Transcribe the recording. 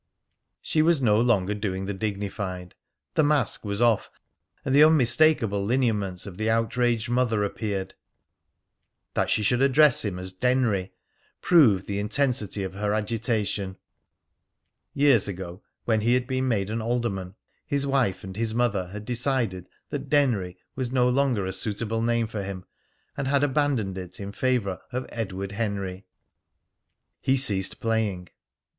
She was no longer doing the dignified. The mask was off, and the unmistakable lineaments of the outraged mother appeared. That she should address him as "Denry" proved the intensity of her agitation. Years ago, when he had been made an alderman, his wife and his mother had decided that "Denry" was no longer a suitable name for him, and had abandoned it in favour of "Edward Henry." He ceased playing.